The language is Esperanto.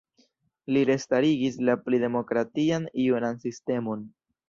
Li restarigis la pli demokratian juran sistemon.